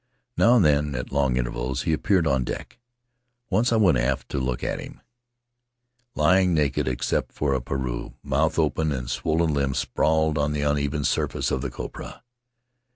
Now and then, at long intervals, he appeared on deck; once I went aft for a look at him, lying naked except for a pareu — mouth open and swollen limbs sprawled on the uneven surface of the copra.